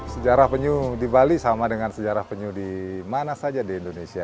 sejarah penyu di bali sama dengan sejarah penyu di mana saja di indonesia